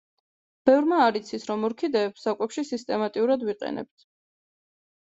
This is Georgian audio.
ბევრმა არ იცის, რომ ორქიდეებს საკვებში სისტემატურად ვიყენებთ.